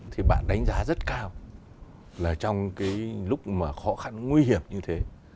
thì bạn đánh giá rất cao là trong cái lúc mà khó khăn nguy hiểm như thế